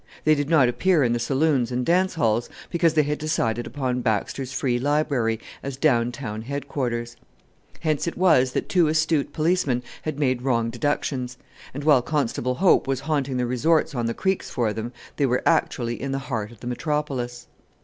They did not appear in the saloons and dance halls because they had decided upon Baxter's Free Library as down town headquarters. Hence it was that two astute policemen had made wrong deductions; and while Constable Hope was haunting the resorts on the creeks for them, they were actually in the heart of the metropolis.